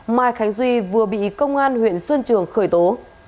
mai khánh duy vừa bị công an huyện xuân trường khởi tố